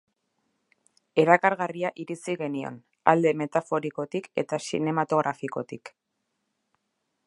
Erakargarria iritzi genion, alde metaforikotik eta zinematografikotik.